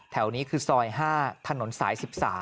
แถวนี้คือซอย๕ถนนสาย๑๓